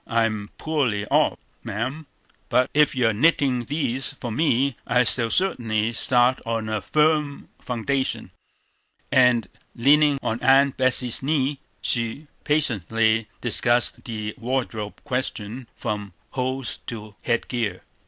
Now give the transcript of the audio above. I'm poorly off, ma'am; but if you are knitting these for me, I shall certainly start on a firm foundation." And, leaning on Aunt Betsey's knee, she patiently discussed the wardrobe question from hose to head gear.